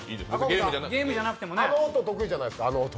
あの音得意じゃないですか？